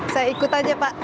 saya ikut aja pak